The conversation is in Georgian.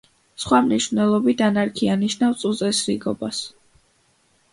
სხვა მნიშვნელობით ანარქია ნიშნავს უწესრიგობას.